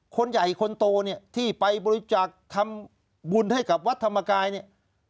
คนใหญ่คนโตเนี่ยที่ไปบริจาคทำบุญให้กับวัดธรรมกายเนี่ย